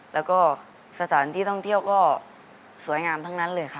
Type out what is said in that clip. แล้วก็สถานที่ท่องเที่ยวก็สวยงามทั้งนั้นเลยค่ะ